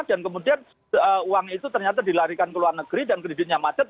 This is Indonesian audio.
dan kemudian uang itu ternyata dilarikan ke luar negeri dan kreditnya macet